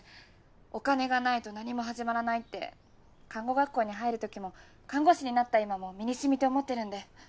お金がないと何も始まらないって看護学校に入るときも看護師になった今も身に染みて思ってるんで。